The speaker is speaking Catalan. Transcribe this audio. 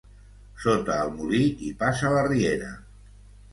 Sota el molí hi passa la riera.